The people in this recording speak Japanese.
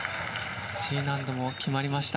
Ｇ何度も決まりました。